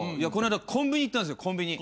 この間コンビニ行ったんですよ。